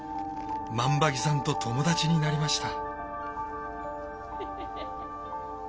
万場木さんと友達になりました。